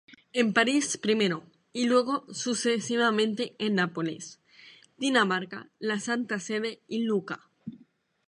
En París primero, y luego sucesivamente en Nápoles, Dinamarca, la Santa Sede y Lucca.